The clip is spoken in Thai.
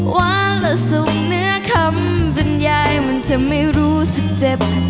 หวานและส่วนเนื้อคำบรรยายมันทำให้รู้สึกเจ็บ